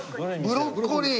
ブロッコリー！